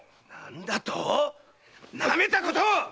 なんだと⁉なめたことを！